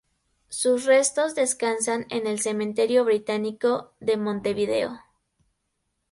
Sus restos descansan en el Cementerio Británico de Montevideo.